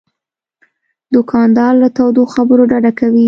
دوکاندار له تودو خبرو ډډه کوي.